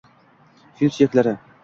fil suyaklaring